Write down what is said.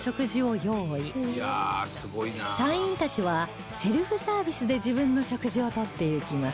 隊員たちはセルフサービスで自分の食事を取っていきます